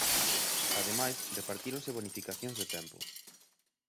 Ademais repartíronse bonificacións de tempo.